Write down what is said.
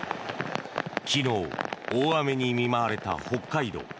昨日、大雨に見舞われた北海道。